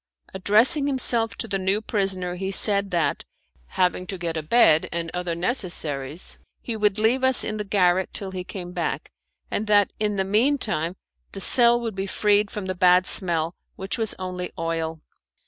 Addressing himself to the new prisoner, he said that, having to get a bed and other necessaries, he would leave us in the garret till he came back, and that, in the mean time, the cell would be freed from the bad smell, which was only oil.